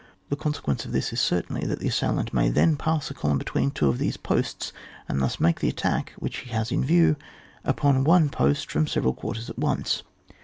The con sequence of this is certainly that the assailant may then pass a column be tween two of these posts, and thus make the attack, which he has in view, upon one post from several quarters at once.